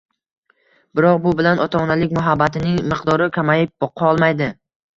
biroq bu bilan ota-onalik muhabbatining miqdori kamayib qolmaydi